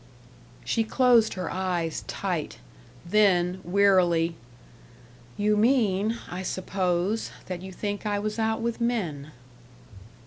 She closed her eyes tight; then, wearily: "You mean, I suppose, that you think I was out with men."